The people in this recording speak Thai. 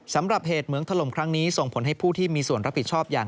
สำหรับเหตุเหมืองถล่มครั้งนี้ส่งผลให้ผู้ที่มีส่วนรับผิดชอบอย่าง